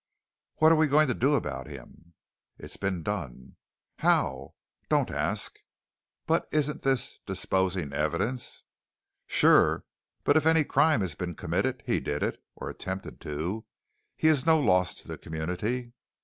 "What are we going to do about him?" "It's been done." "How?" "Don't ask." "But isn't this disposing evidence?" "Sure. But if any crime has been committed, he did it, or attempted to. He is no loss to the community."